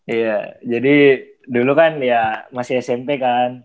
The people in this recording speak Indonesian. iya jadi dulu kan ya masih smp kan